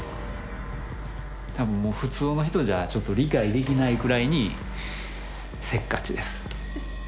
多分もう普通の人じゃちょっと理解できないくらいにせっかちです。